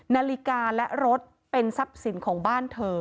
นาฬิกาแล้วรถเป็นที่สรรพสินของบ้านเธอ